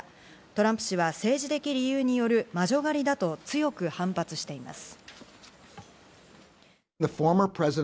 トランプ氏は政治的理由による魔女狩りだと強く反発しています。